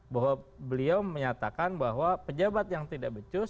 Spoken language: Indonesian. bahwa beliau menyatakan bahwa pejabat yang tidak becus